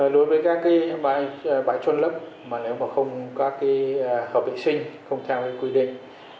đối với các bãi trôn lấp nếu mà không có hợp vệ sinh không theo quy định